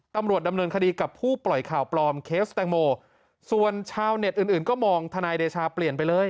ตำรวจดำเนินคดีกับผู้ปล่อยข่าวปลอมเคสแตงโมส่วนชาวเน็ตอื่นอื่นก็มองทนายเดชาเปลี่ยนไปเลย